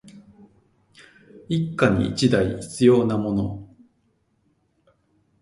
一家に一台必要なもの